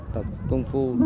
tập công phu